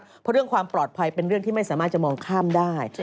เพราะเรื่องความปลอดภัยเป็นเรื่องที่ไม่สามารถจะมองข้ามได้